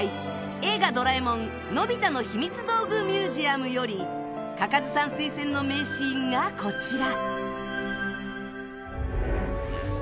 「映画ドラえもんのび太のひみつ道具博物館」よりかかずさん推薦の名シーンがこちら。